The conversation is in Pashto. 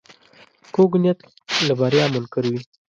کوږ نیت له بریا منکر وي